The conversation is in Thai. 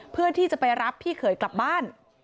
เพื่อที่จะไปรับพี่เขยกลับบ้าน